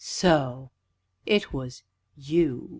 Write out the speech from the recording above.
"So it was you?"